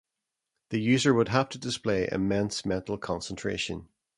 The user would have to display immense mental concentration.